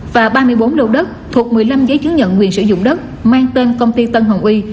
và ba mươi bốn lô đất thuộc một mươi năm giấy chứng nhận quyền sử dụng đất mang tên công ty tân hoàng uy